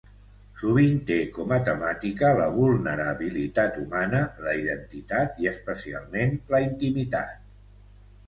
Sovint té com a temàtica la vulnerabilitat humana, la identitat i, especialment, la intimitat.